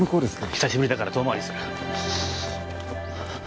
久しぶりだから遠回りする。